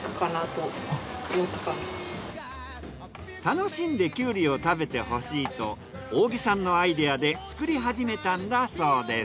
楽しんでキュウリを食べてほしいと大木さんのアイデアで作りはじめたんだそうです。